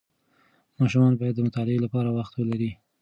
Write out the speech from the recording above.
ماشومان باید د مطالعې لپاره وخت ولري.